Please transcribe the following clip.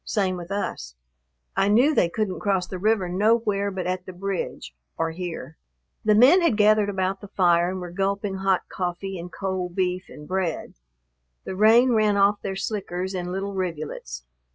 Same with us. I knew they couldn't cross the river nowhere but at the bridge or here." The men had gathered about the fire and were gulping hot coffee and cold beef and bread. The rain ran off their slickers in little rivulets.